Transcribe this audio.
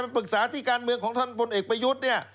เป็นปรึกษาที่การเมืองของท่านพลเอกประยุทธ